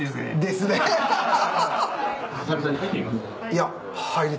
いや。